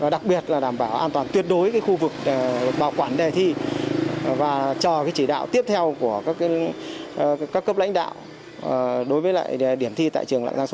đảm bảo an toàn tuyệt đối khu vực bảo quản đề thi và cho chỉ đạo tiếp theo của các cấp lãnh đạo đối với điểm thi tại trường lạng giang số ba